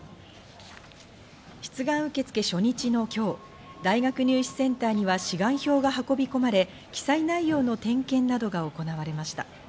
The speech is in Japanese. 出願受付初日の今日、大学入試センターには志願票が運び込まれ記載内容の点検などが行われました。